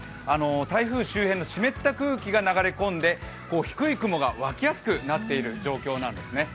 台風周辺の湿った空気が流れ込んで低い雲がわきやすくなっている状況なんですね。